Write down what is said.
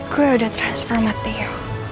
gue udah transfer sama tio